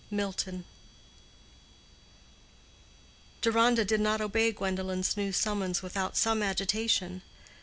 —MILTON. Deronda did not obey Gwendolen's new summons without some agitation.